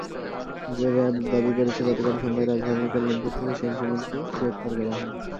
RAB দাবি করেছে, গতকাল সন্ধ্যায় রাজধানীর কল্যাণপুর থেকে সেন সুমনকে গ্রেপ্তার করা হয়।